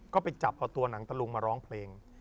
ก็ไปจับเอาตัวหนังตะลุงมาร้องเพลง